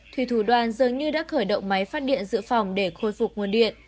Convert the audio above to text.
thủy thủ đoàn dường như đã khởi động máy phát điện dự phòng để khôi phục nguồn điện